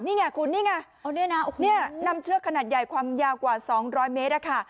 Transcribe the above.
นี่ไงคุณนี่ไงนี่นำเชือกขนาดใหญ่ความยาวกว่า๒๐๐เมตรอะค่ะ